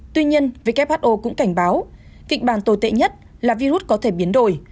tuy nhiên who cũng cảnh báo kịch bản tồi tệ nhất là virus có thể biến đổi